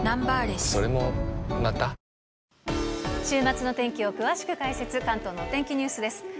週末の天気を詳しく解説、関東のお天気ニュースです。